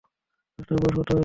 গাছটার বয়স কত হবে ভাই?